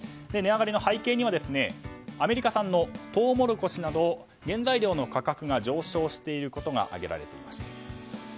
値上がりの背景にはアメリカ産のトウモロコシなど原材料の価格が上昇していることが挙げられていました。